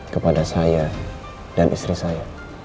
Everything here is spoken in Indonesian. kepada saya dan istri saya